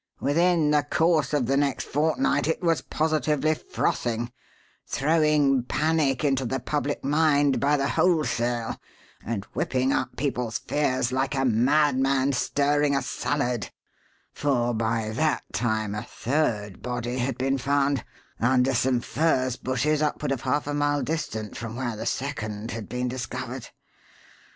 Within the course of the next fortnight it was positively frothing, throwing panic into the public mind by the wholesale, and whipping up people's fears like a madman stirring a salad; for, by that time a third body had been found under some furze bushes, upward of half a mile distant from where the second had been discovered.